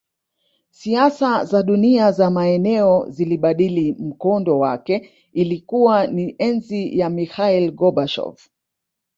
Siasa za dunia za maeneo zilibadili mkondo wake Ilikuwa ni enzi ya Mikhail Gorbachev